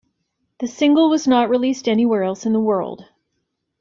The single was not released anywhere else in the world.